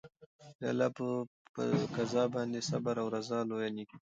د الله په قضا باندې صبر او رضا لویه نېکي ده.